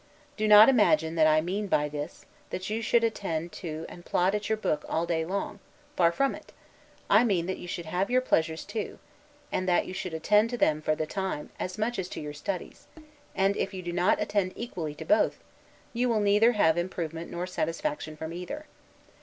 Do not imagine that I mean by this, that you should attend to and plod at your book all day long; far from it; I mean that you should have your pleasures too; and that you should attend to them for the time; as much as to your studies; and, if you do not attend equally to both, you will neither have improvement nor satisfaction from either.